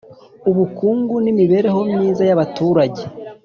Ubukungu n Imibereho Myiza y Abaturage